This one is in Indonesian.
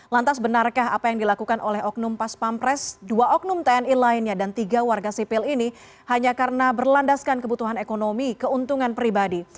lantas benarkah apa yang dilakukan oleh oknum paspampres dua oknum tni lainnya dan tiga warga sipil ini hanya karena berlandaskan kebutuhan ekonomi keuntungan pribadi